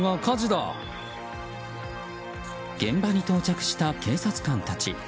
現場に到着した警察官たち。